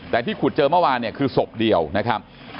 แต่ที่ขุดเจอเมื่อวานเนี่ยคือศพเดียวนะครับ